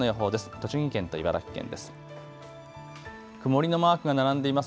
栃木県と茨城県です。